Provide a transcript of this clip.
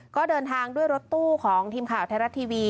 ก็เดินทางด้วยรถตู้ของทีมข่าวไทยรัฐทีวี